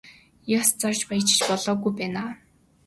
Яс зарж баяжих болоогүй байна аа.